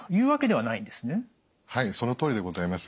はいそのとおりでございます。